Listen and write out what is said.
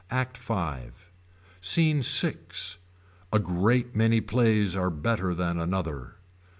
ACT V. SCENE VI. A great many plays are better than another.